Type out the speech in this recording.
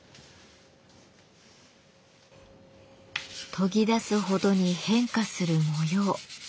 研ぎ出すほどに変化する模様。